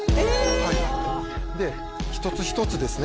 はいで一つ一つですね